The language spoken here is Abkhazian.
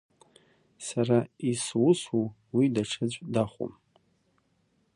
Сара исусу уи даҽаӡә дахәом…